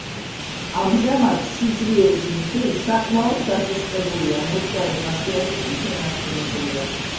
ამჟამად სიძლიერის მხრივ საკმაოდ დასუსტებულია, მოძრავი ხასიათი კი შენარჩუნებული აქვს.